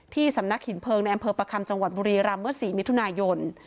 สำนักหินเพลิงในอำเภอประคัมจังหวัดบุรีรำเมื่อ๔มิถุนายน